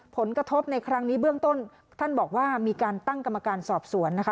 ผลกระทบในครั้งนี้เบื้องต้นท่านบอกว่ามีการตั้งกรรมการสอบสวนนะคะ